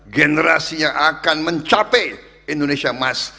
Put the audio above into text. generasi yang akan mencapai indonesia emas